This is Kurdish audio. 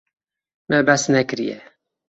Me behs nekiriye.